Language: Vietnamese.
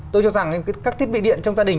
tôi cho rằng các thiết bị điện trong gia đình